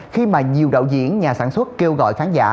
khi mà nhiều đạo diễn nhà sản xuất kêu gọi khán giả